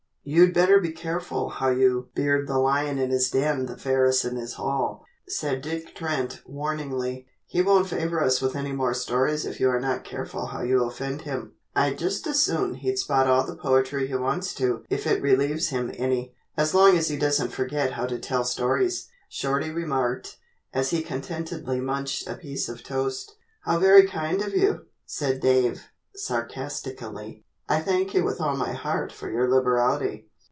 "You'd better be careful how you "'Beard the lion in his den The Ferris in his hall,'" said Dick Trent, warningly. "He won't favor us with any more stories if you are not careful how you offend him." "I'd just as soon he'd spout all the poetry he wants to if it relieves him any, as long as he doesn't forget how to tell stories," Shorty remarked as he contentedly munched a piece of toast. "How very kind of you," said Dave, sarcastically. "I thank you with all my heart for your liberality."